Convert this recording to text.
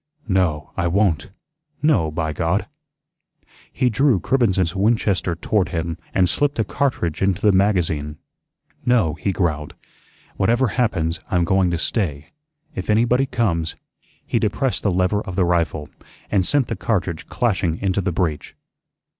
No, I won't. No, by God!" He drew Cribbens's Winchester toward him and slipped a cartridge into the magazine. "No," he growled. "Whatever happens, I'm going to stay. If anybody comes " He depressed the lever of the rifle, and sent the cartridge clashing into the breech.